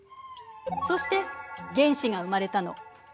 そして原子が生まれたの。